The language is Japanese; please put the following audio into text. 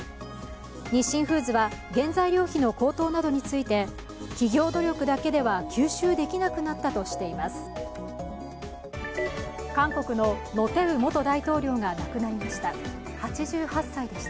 日清フーズは原材料費の高騰などについて企業努力だけでは吸収できなくなったとしています。